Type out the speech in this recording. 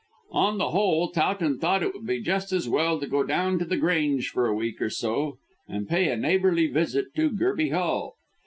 On the whole Towton thought it would be just as well to go down to The Grange for a week or so and pay a neighbourly visit to Gerby Hall.